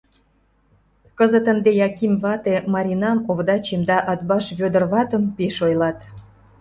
Кызыт ынде Яким вате Маринам, Овдачим да Атбаш Вӧдыр ватым пеш ойлат.